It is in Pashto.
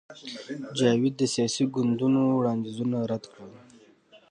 جاوید د سیاسي ګوندونو وړاندیزونه رد کړل